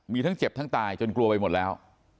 มีทั้งเจ็บทั้งตายจนกลัวไปหมดแล้ว